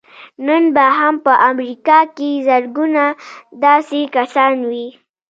نن به هم په امريکا کې زرګونه داسې کسان وي.